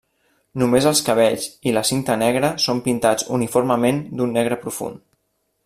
Només els cabells i la cinta negra són pintats uniformement d'un negre profund.